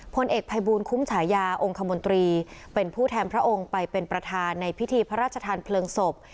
พลเอกภัยบูลคุ้มฉายาองค์คมนตรีเป็นผู้แทนพระองค์ไปเป็นประธานในพิธีพระราชทานเพลิงศพ